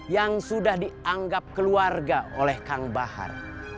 yang sudah dianggap keluarga oleh kang bahar